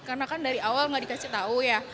karena kan dari awal gak dikasih tau ya